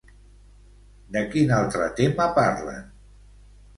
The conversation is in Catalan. De quin altre tema parlen?